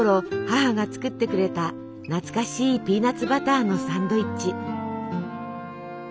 母が作ってくれた懐かしいピーナツバターのサンドイッチ。